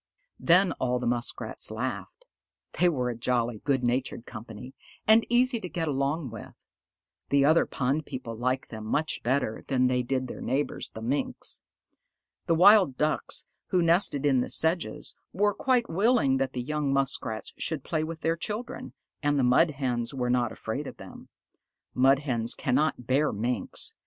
Then all the Muskrats laughed. They were a jolly, good natured company, and easy to get along with. The other pond people liked them much better than they did their neighbors, the Minks. The Wild Ducks who nested in the sedges, were quite willing that the young Muskrats should play with their children, and the Mud Hens were not afraid of them. Mud Hens cannot bear Minks.